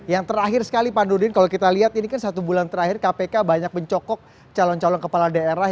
yang terakhir sekali pak nurdin kalau kita lihat ini kan satu bulan terakhir kpk banyak mencokok calon calon kepala daerah